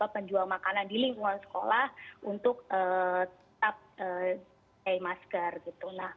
penjual makanan di lingkungan sekolah untuk tetap pakai masker gitu